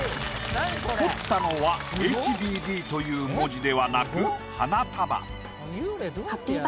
彫ったのはＨＢＤという文字ではなく花束。